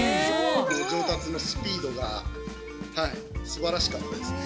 上達のスピードがすばらしかったです。